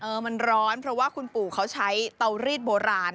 มันร้อนเพราะว่าคุณปู่เขาใช้เตารีดโบราณ